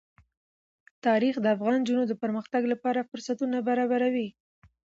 تاریخ د افغان نجونو د پرمختګ لپاره فرصتونه برابروي.